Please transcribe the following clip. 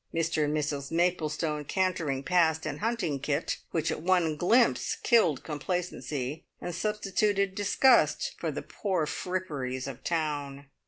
Mr and Mrs Maplestone cantering past in hunting kit, which at one glimpse killed complacency and substituted disgust for the poor fripperies of town.